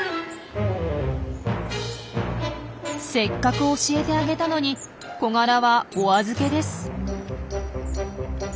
せっかく教えてあげたのにコガラはおあずけです。